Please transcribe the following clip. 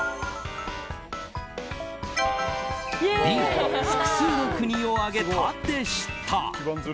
Ｂ、複数の国を挙げたでした。